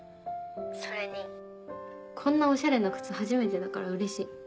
それにこんなおしゃれな靴初めてだからうれしい。